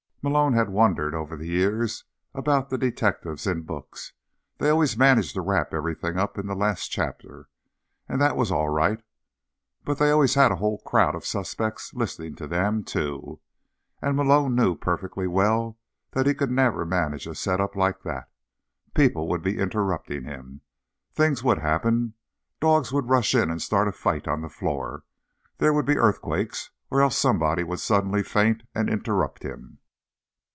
Malone had wondered, over the years, about the detectives in books. They always managed to wrap everything up in the last chapter—and that was all right. But they always had a whole crowd of suspects listening to them, too. And Malone knew perfectly well that he could never manage a set up like that. People would be interrupting him. Things would happen. Dogs would rush in and start a fight on the floor. There would be earthquakes, or else somebody would suddenly faint and interrupt him.